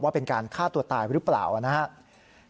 เป็นการฆ่าตัวตายหรือเปล่านะครับ